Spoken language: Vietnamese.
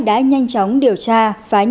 đã nhanh chóng điều tra phá nhân